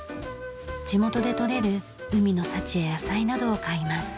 地元で取れる海の幸や野菜などを買います。